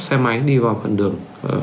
xe máy đi vào phần đường